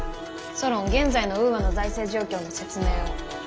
ソロン現在のウーアの財政状況の説明を。